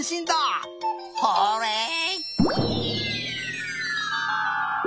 ホーレイ！